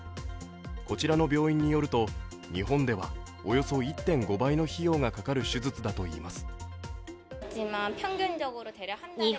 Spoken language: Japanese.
こちらの病院によると日本ではおよそ１．５倍の費用がかかる手術だといいます。